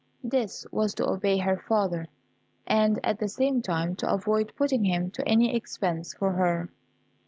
This was to obey her father, and at the same time to avoid putting him to any expense for her.